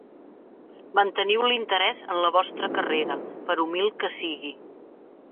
Manteniu l'interès en la vostra carrera, per humil que sigui.